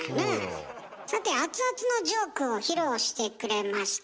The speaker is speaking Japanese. さてアツアツのジョークを披露してくれました